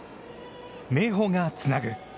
明豊がつなぐ。